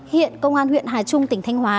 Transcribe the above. hiện công an huyện hà trung tỉnh thanh hóa